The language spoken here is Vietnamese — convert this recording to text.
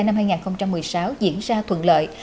năm hai nghìn một mươi sáu diễn ra thuận lợi